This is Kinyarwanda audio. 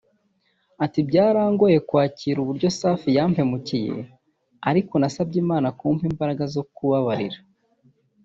Ati “ Byarangoye kwakira uburyo Safi yampemukiye ariko nasabye Imana kumpa imbaraga zo kubababarira